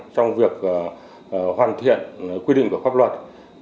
trong việc hoàn thiện quy định của pháp luật